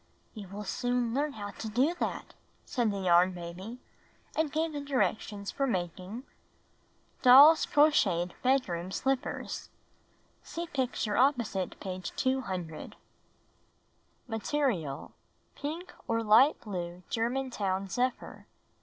"You will soon learn how to do that," said the Yarn Baby, and gave the directions for making — Doll's Crocheted Bedroom Slippers (See picture opposite page 200) Material: Pink or light blue German town zephyr.